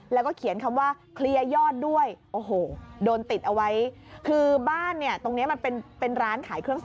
แล้วก็เขียนคำว่าเคลียร์ยอดด้วน